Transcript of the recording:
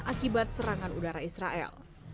akibat serangan udara israel